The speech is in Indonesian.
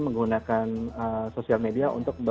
menggunakan sosial media untuk